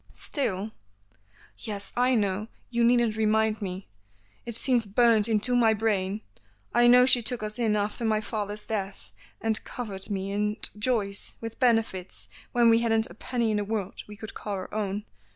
"Still " "Yes, I know, you needn't remind me, it seems burnt into my brain, I know she took us in after my father's death, and covered me and Joyce with benefits when we hadn't a penny in the world we could call our own.